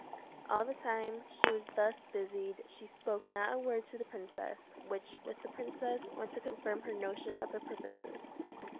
All the time she was thus busied, she spoke not a word to the princess, which, with the princess, went to confirm her notion of her purposes.